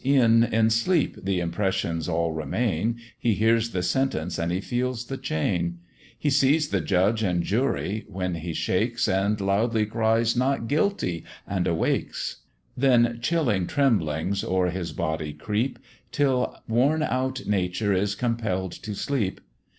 e'en in sleep the impressions all remain, He hears the sentence and he feels the chain; He sees the judge and jury, when he shakes, And loudly cries, "Not guilty," and awakes: Then chilling tremblings o'er his body creep, Till worn out nature is compell'd to sleep.